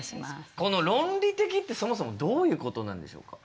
この論理的ってそもそもどういうことなんでしょうか？